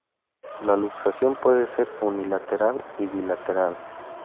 La luxación puede ser unilateral y bilateral.